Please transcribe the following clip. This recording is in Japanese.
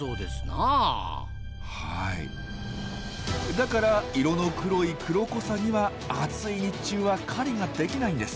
だから色の黒いクロコサギは暑い日中は狩りができないんです。